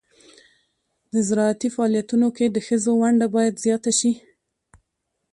د زراعتي فعالیتونو کې د ښځو ونډه باید زیاته شي.